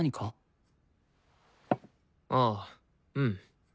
ああうん。